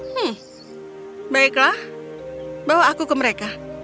hmm baiklah bawa aku ke mereka